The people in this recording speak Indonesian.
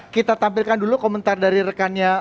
kita tampilkan dulu komentar dari rekannya